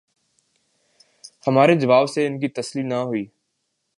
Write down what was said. ہمارے جواب سے ان کی تسلی نہ ہوئی۔